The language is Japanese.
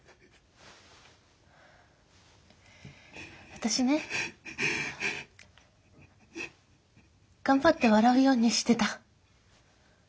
私ね頑張って笑うようにしてた。